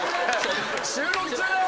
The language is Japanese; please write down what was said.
収録中だよ？